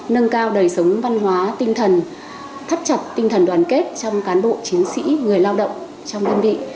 nâng cao đời sống văn hóa tinh thần thắt chặt tinh thần đoàn kết trong cán bộ chiến sĩ người lao động trong đơn vị